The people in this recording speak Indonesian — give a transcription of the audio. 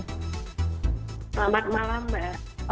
selamat malam mbak